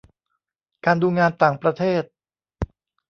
การดูงานต่างประเทศ